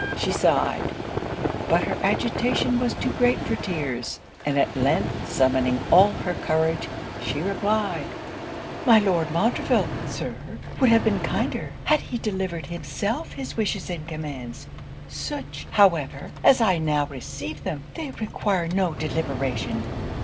She sighed; but her agitation was too great for tears; and at length summoning all her courage, she replied 'My Lord Montreville, Sir, would have been kinder, had he delivered himself his wishes and commands. Such, however, as I now receive them, they require no deliberation.